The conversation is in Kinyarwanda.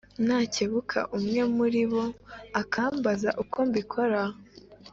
Nakebuka umwe muli bo akambaza uko mbikora